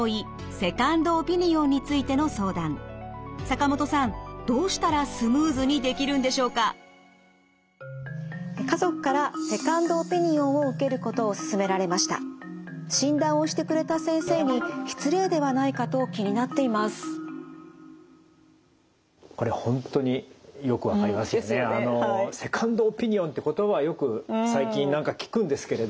セカンドオピニオンって言葉はよく最近聞くんですけれど。